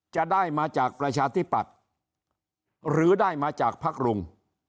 จะได้มาจากประชาธิปัตย์หรือได้มาจากพักรุง